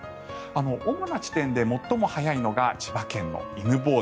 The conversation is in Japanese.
主な地点で最も早いのが千葉県の犬吠埼。